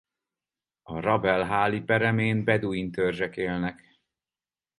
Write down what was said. A Rab-el-Háli peremén beduin törzsek élnek.